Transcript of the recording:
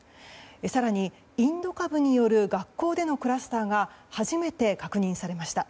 更にインド株による学校でのクラスターが初めて確認されました。